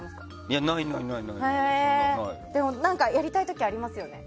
でもやりたい時ありますよね。